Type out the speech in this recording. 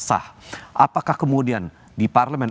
sah apakah kemudian di parlemen